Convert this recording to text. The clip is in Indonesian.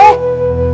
sampai jumpa lagi